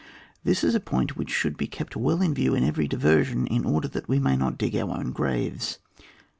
This is a point which shoidd be kept well in view in eveiy diversion, in order that we may not dig our own graves.